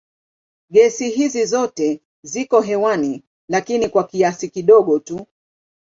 Gesi hizi zote ziko hewani lakini kwa kiasi kidogo tu.